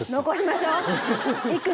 残しましょう。